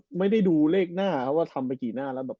ไม่ได้ดูเลขหน้าครับว่าทำไปกี่หน้าแล้วแบบ